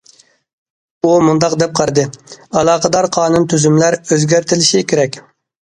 ئۇ مۇنداق دەپ قارىدى: ئالاقىدار قانۇن- تۈزۈملەر ئۆزگەرتىلىشى كېرەك.